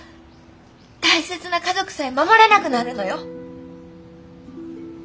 大切な家族さえ守れなくなるのよ。